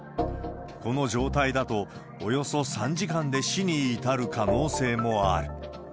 この状態だと、およそ３時間で死に至る可能性もある。